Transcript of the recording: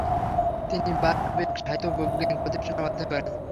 তিনি বার্কবেক সাহিত্য ও বৈজ্ঞানিক প্রতিষ্ঠানে অধ্যয়ন করেন।